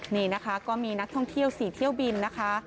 นี่นะคะก็มีนักท่องเที่ยว๔เที่ยวบินนะคะ